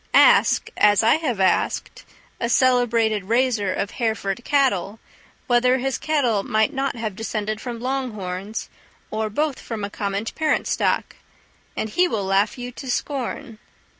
Ask, as I have asked, a celebrated raiser of Hereford cattle, whether his cattle might not have descended from Long horns, or both from a common parent stock, and he will laugh you to scorn.